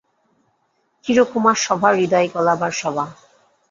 চিরকুমার-সভা হৃদয় গলাবার সভা।